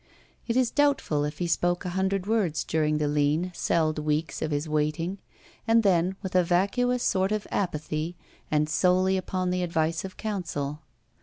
It is doubtful if he spoke a hundred words during the lean, celled weeks of his waiting, and then with a vacuous sort of apathy and solely upon advice of counsel.